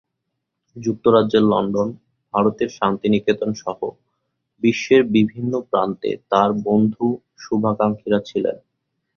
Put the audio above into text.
যুক্তরাজ্যের লন্ডন, ভারতের শান্তিনিকেতনসহ বিশ্বের বিভিন্ন প্রান্তে তাঁর বন্ধু, শুভাকাঙ্ক্ষীরা ছিলেন।